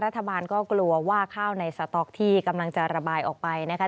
รัฐบาลก็กลัวว่าข้าวในสต๊อกที่กำลังจะระบายออกไปนะคะ